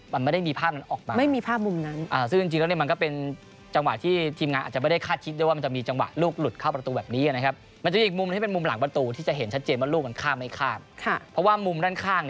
มันมองเห็นไม่ชัดเหรอว่าบอลเข้าเต็มใบหรือเปล่า